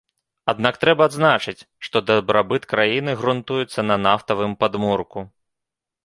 Аднак трэба адзначыць, што дабрабыт краіны грунтуецца на нафтавым падмурку.